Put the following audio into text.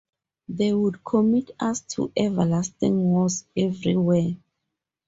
They would commit us to everlasting wars everywhere.